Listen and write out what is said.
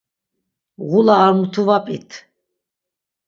Ğula ar mutu va p̌it.